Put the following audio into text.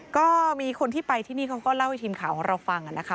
ก็มีคนที่ไปที่นี่เขาก็เล่าให้ทีมข่าวของเราฟังนะคะ